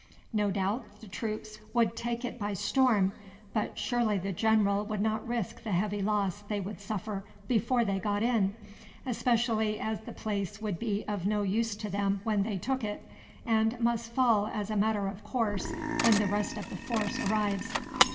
No doubt the troops could take it by storm, but surely the general would not risk the heavy loss they would suffer before they got in, especially as the place would be of no use to them when they took it, and must fall as a matter of course when the rest of the force arrives."